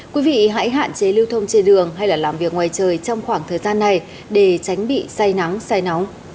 quý vị hãy hạn chế lưu thông trên đường hay là làm việc ngoài trời trong khoảng thời gian này để tránh bị say nắng say nóng